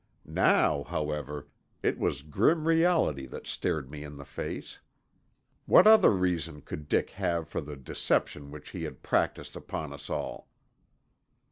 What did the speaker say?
Now, however, it was grim reality that stared me in the face. What other reason could Dick have for the deception which he had practised upon us all?